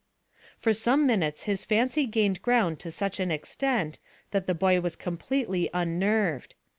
For some minutes his fancy gained ground to such an extent that the boy was completely unnerved.